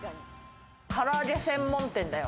から揚げ専門店だよ。